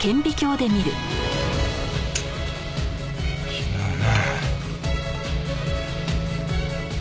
違うな。